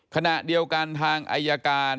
ขณะเดียวกันทางอายการ